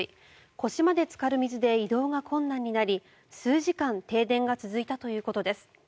腰までつかる水で移動が困難になり数時間停電が続いたということです。